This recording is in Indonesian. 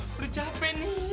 belum capek nih